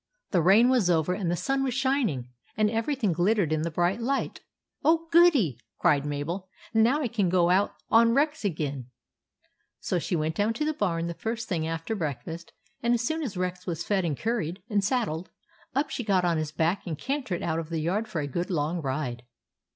The rain was over, and the sun was shining, and everything glittered in the bright light. " Oh, goody !" cried Mabel. " Now I can go out on Rex again !" So she went down to the barn the first thing after breakfast, and as soon as Rex was fed and curried and saddled, up she got on his back and cantered out of the yard for a good long ride.